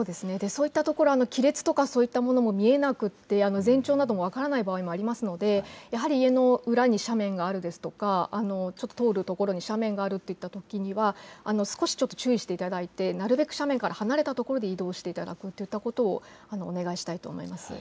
そういったところ、亀裂やそういったものが見えなくても前兆など分からない場合もありますので家の裏に斜面があるですとか通るところに斜面があるときには少し、ちょっと注意していただいてなるべく斜面から離れたところで移動していただくということをお願いしたいと思います。